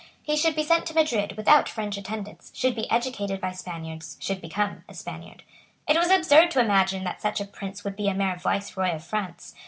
He should be sent to Madrid without French attendants, should be educated by Spaniards, should become a Spaniard. It was absurd to imagine that such a prince would be a mere viceroy of France.